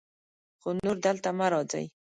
خو نور دلته مه راځئ.